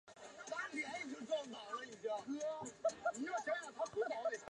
龙华派视其为二祖。